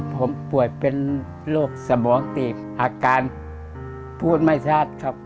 ผมป่วยเป็นโรคสมองตีบอาการพูดไม่ชัดครับ